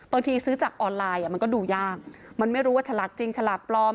ซื้อจากออนไลน์มันก็ดูยากมันไม่รู้ว่าฉลากจริงฉลากปลอม